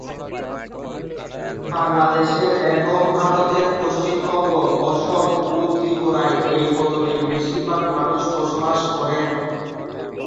বাংলাদেশের এবং ভারতের পশ্চিমবঙ্গ, অসম ও ত্রিপুরায় এই পদবীর বেশিরভাগ মানুষ বসবাস করেন।